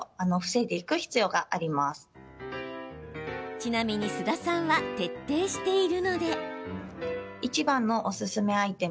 ちなみに、須田さんは徹底しているので。